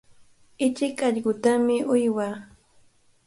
Ichik allqutami uywaa.